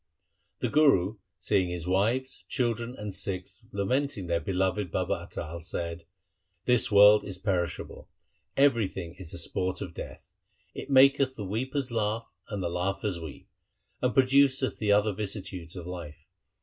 The Guru seeing his wives, children, and Sikhs lamenting their beloved Baba Atal said, ' This world is perishable. Everything is the sport of death. It maketh the weepers laugh and the laughers weep, and produceth the other vicissitudes of life.